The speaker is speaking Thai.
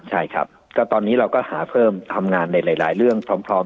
ใช่ครับก็ตอนนี้เราก็หาเพิ่มทำงานในหลายเรื่องพร้อม